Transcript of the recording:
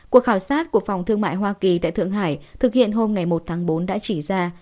cuộc khảo sát của phòng thương mại hoa kỳ tại thượng hải thực hiện hôm ngày một tháng bốn đã chỉ ra